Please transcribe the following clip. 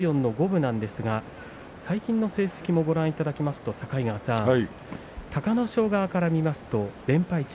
過去は４対４の五分なんですが最近の成績をご覧いただきますと隆の勝側から見ますと連敗中。